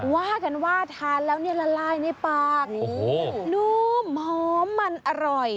ว่ากันว่าทานแล้วเนี่ยละลายในปากนุ่มหอมมันอร่อย